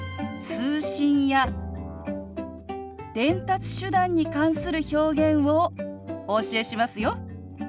通信や伝達手段に関する表現をお教えしますよ。